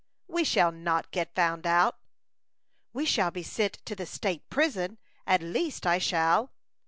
"We shall not get found out." "We shall be sent to the state prison at least I shall."